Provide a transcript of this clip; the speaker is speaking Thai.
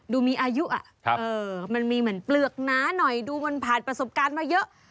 ดูมีอายุมันมีเหมือนเปลือกหนาหน่อยดูมันผ่านประสบการณ์มาเยอะ